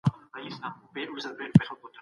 افغانستان د زعفرانو کور دی.